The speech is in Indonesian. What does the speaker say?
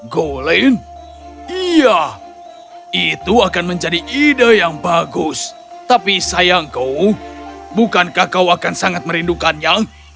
golin iya itu akan menjadi ide yang bagus tapi sayangku bukankah kau akan sangat merindukannya